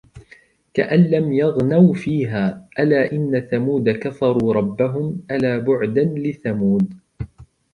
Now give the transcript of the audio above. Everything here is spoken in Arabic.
كأن لم يغنوا فيها ألا إن ثمود كفروا ربهم ألا بعدا لثمود